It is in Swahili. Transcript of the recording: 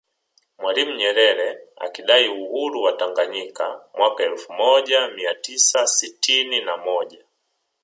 Julius Nyerere akidai uhuru wa Tanganyika mwaka elfu moja mia tisa sitini na moja